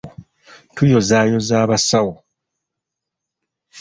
Tuyozaayoza abasawo.